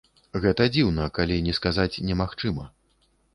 Гэта дзіўна, калі не сказаць немагчыма.